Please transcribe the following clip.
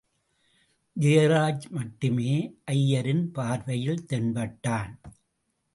ஜெயராஜ் மட்டுமே ஐயரின் பார்வையில் தென்பட்டான்.